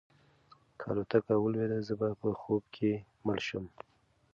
که الوتکه ولویده زه به په خوب کې مړ شم.